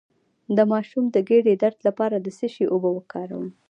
د ماشوم د ګیډې درد لپاره د څه شي اوبه وکاروم؟